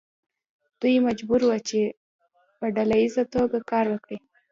دوی مجبور وو چې په ډله ایزه توګه کار وکړي.